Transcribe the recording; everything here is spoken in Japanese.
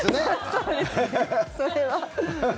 そうですね、それは。